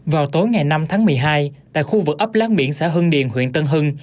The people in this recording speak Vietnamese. vào tối ngày năm tháng một mươi hai tại khu vực ấp láng biển xã hưng điền huyện tân hưng